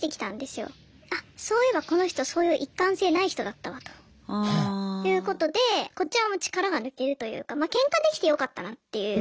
あっそういえばこの人そういう一貫性ない人だったわとということでこちらも力が抜けるというかまあケンカできてよかったなっていう。